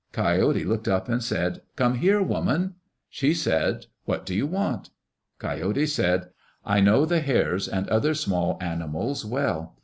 Coyote looked up and said, "Come here, woman." She said, "What do you want?" Coyote said, "I know the Hares and other small animals well.